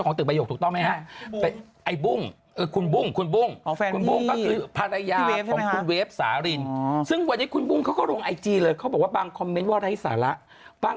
คนก็ไปคอมเมนต์ตระกูลใบหยกกัน